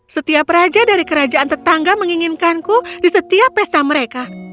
setiap raja dari kerajaan tetangga menginginkanku di setiap pesta mereka